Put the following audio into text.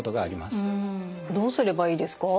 どうすればいいですか？